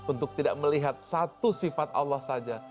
untuk tidak melihat satu sifat allah saja